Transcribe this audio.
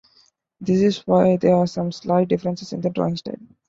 This is why there are some slight differences in the drawing style.